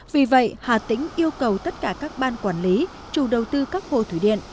vì vậy hà tĩnh yêu cầu tất cả các ban quản lý chủ đầu tư các hồ thủy điện